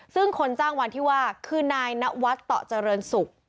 ซึ่งคนจ้างวันที่ว่าคือนายนวัฒน์ต่อเจริญศุกร์